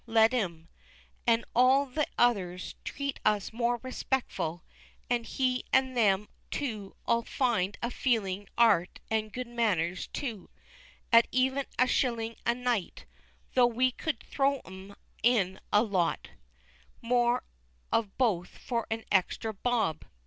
Let 'im, and all the others, treat us more respectful, and he and them too 'ull find a feeling 'art and good manners too, at even a shilling a night, though we could throw 'em in a lot; more of both for an extra bob.